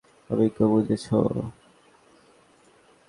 সে এসবে তোদের সবার থেকে বেশি অভিজ্ঞ, বুঝেছো?